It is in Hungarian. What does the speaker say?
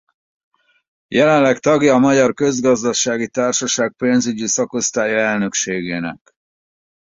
Jelenleg tagja a Magyar Közgazdasági Társaság Pénzügyi Szakosztálya Elnökségének.